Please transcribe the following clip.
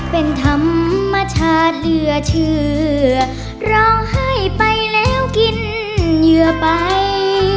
เป็นธรรมชาติเหลือเชื่อร้องไห้ไปแล้วกินเหยื่อไป